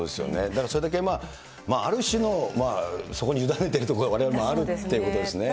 だからそれだけ、ある種のそこに委ねているところ、われわれもあるっていうことですね。